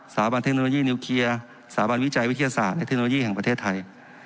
บันเทคโนโลยีนิวเคลียร์สถาบันวิจัยวิทยาศาสตร์และเทคโนโลยีแห่งประเทศไทย